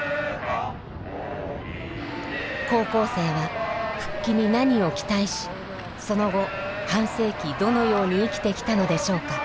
高校生は復帰に何を期待しその後半世紀どのように生きてきたのでしょうか。